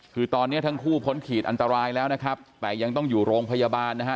คือตอนนี้ทั้งคู่พ้นขีดอันตรายแล้วนะครับแต่ยังต้องอยู่โรงพยาบาลนะฮะ